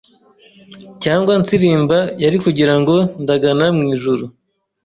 cyangwa nsirimba yari kugirango ndagana mu ijuru,